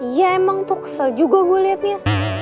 ya emang tuh kesel juga gue liatnya